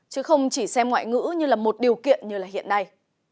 chứ không chỉ xem ngoại ngữ như là một điều kiện như hiện nay